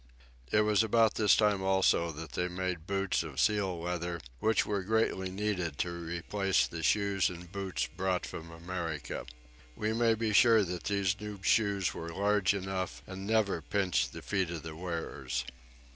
It was about this time also that they made boots of seal leather, which were greatly needed to replace the shoes and boots brought from America. We may be sure that these new shoes were large enough and never pinched the feet of the wearers.